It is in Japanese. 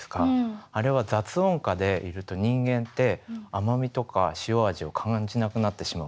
あれは雑音下でいると人間って甘みとか塩味を感じなくなってしまうんですって。